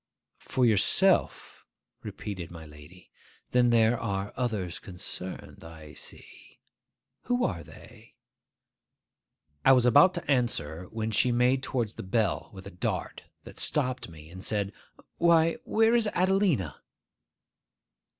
'For yourself?' repeated my lady. 'Then there are others concerned, I see. Who are they?' I was about to answer, when she made towards the bell with a dart that stopped me, and said, 'Why, where is Adelina?